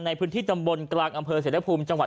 ในพื้นที่ตำบลกรางอำเภอเสร็จละภูมิจวัด๑๐๑